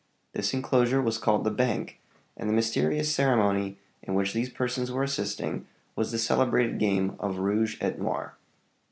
This inclosure was called the bank, and the mysterious ceremony in which these persons were assisting was the celebrated game of _rouge et noir.